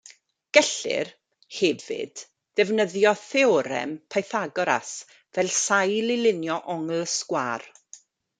Gellir, hefyd, ddefnyddio Theorem Pythagoras fel sail i lunio ongl sgwâr.